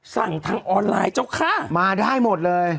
สั่งทางออนไลน์เจ้าค่ะมาได้หมดเลย